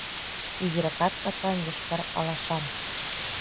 Изиракат капан йошкар алашам